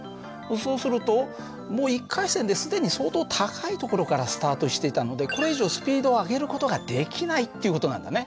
そうするともう１回戦で既に相当高い所からスタートしていたのでこれ以上スピードを上げる事ができないっていう事なんだね。